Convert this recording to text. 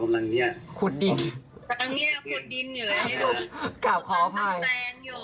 แต่ตรงเนี้ยขุดดินเหมือนให้ดู